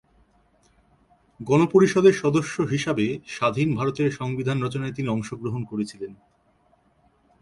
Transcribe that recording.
গণ পরিষদের সদস্য হিসাবে স্বাধীন ভারতের সংবিধান রচনায় তিনি অংশগ্রহণ করেছিলেন।